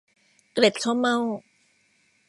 เกล็ดข้าวเม่า